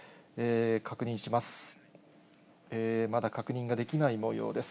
確認します。